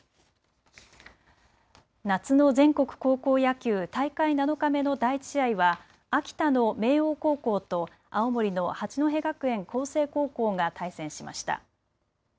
夏の全国高校野球、大会７日目の第１試合は秋田の明桜高校と青森の八戸学院光星高校が対戦しました。